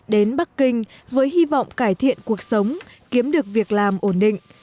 đến bắc kinh với hy vọng cải thiện cuộc sống kiếm được việc làm ổn định